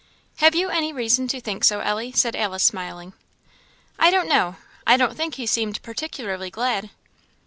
"Have you any reason to think so, Ellie?" said Alice, smiling. "I don't know I don't think he seemed particularly glad."